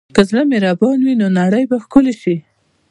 که زړه مهربان وي، نو نړۍ به ښکلې شي.